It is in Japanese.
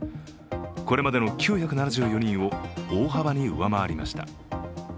これまでの９７４人を大幅に上回りました。